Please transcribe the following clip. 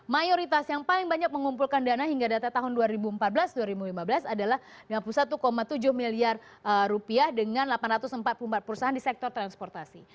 mayoritas yang paling banyak mengumpulkan dana hingga data tahun dua ribu empat belas dua ribu lima belas adalah rp lima puluh satu tujuh miliar rupiah dengan delapan ratus empat puluh empat perusahaan di sektor transportasi